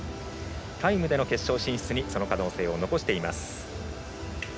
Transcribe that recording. タイムでの決勝進出にその可能性を残しています。